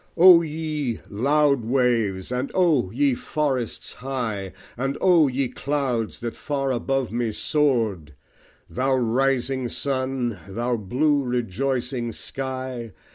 O ye loud Waves! and O ye Forests high! And O ye Clouds that far above me soar'd! Thou rising Sun! thou blue rejoicing Sky!